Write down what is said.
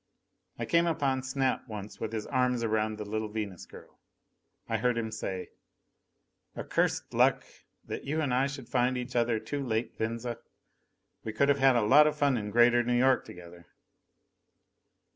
I came upon Snap once with his arms around the little Venus girl. I heard him say: "Accursed luck! That you and I should find each other too late, Venza. We could have a lot of fun in Greater New York together."